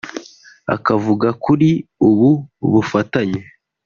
Avuga kuri ubu bufatanye